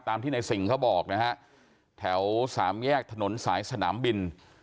ที่ในสิ่งเขาบอกนะฮะแถวสามแยกถนนสายสนามบิน